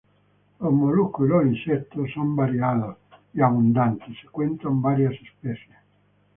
Los moluscos y los insectos son variados y abundantes, se cuentan varias especies.